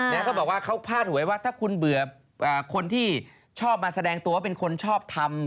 แล้วก็บอกว่าเขาพาดหัวว่าถ้าคุณเบื่อคนที่ชอบมาแสดงตัวว่าเป็นคนชอบทำ